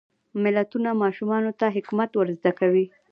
متلونه ماشومانو ته حکمت ور زده کوي.